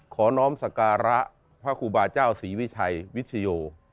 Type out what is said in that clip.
น้องสการะพระครูบาเจ้าศรีวิชัยวิชโย